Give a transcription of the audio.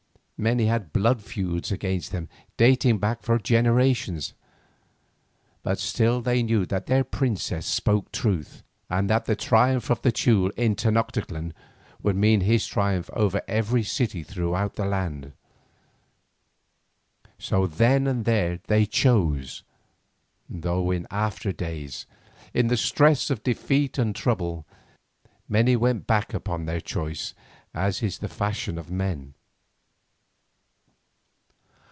Many had blood feuds against them dating back for generations. But still they knew that their princess spoke truth, and that the triumph of the Teule in Tenoctitlan would mean his triumph over every city throughout the land. So then and there they chose, though in after days, in the stress of defeat and trouble, many went back upon their choice as is the fashion of men.